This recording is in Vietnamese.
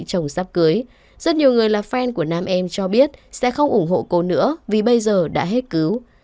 chồng sắp cưới rất nhiều người là fen của nam em cho biết sẽ không ủng hộ cô nữa vì bây giờ đã hết cứu